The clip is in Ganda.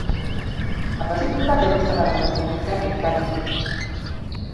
Abasirikale bbase abantu mwenda e Karamoja.